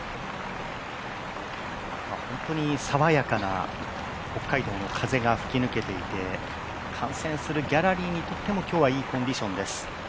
本当に爽やかな北海道の風が吹き抜けていて観戦するギャラリーにとっても今日はいいコンディションです。